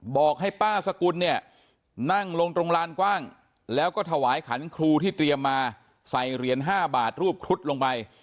บอกให้ป้าสกุลเนี่ยนั่งลงตรงลานกว้างแล้วก็ถวายขันครูที่เตรียมมาใส่เหรียญ๕บาทรูปครุฑลงไป